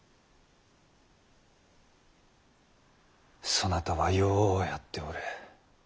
そなたはようやっておる。